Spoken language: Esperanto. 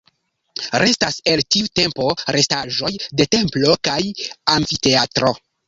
Restas el tiu tempo restaĵoj de templo kaj amfiteatro.